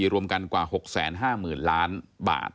รวมกันกว่า๖๕๐๐๐ล้านบาท